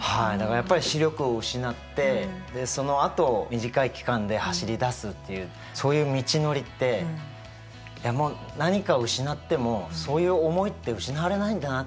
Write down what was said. やっぱり視力を失ってそのあと短い期間で走りだすっていうそういう道のりって何かを失ってもそういう思いって失われないんだなって